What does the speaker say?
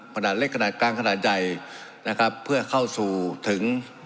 ขนาดเล็กขนาดกลางขนาดใหญ่นะครับเพื่อเข้าสู่ถึง